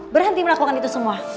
berhenti melakukan itu semua